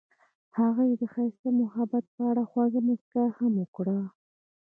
هغې د ښایسته محبت په اړه خوږه موسکا هم وکړه.